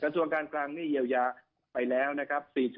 ส่วนการกลางนี่เยียวยาไปแล้วนะครับ